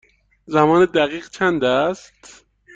زمان دقیق چند است؟